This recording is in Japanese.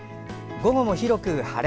午後も広く晴れ。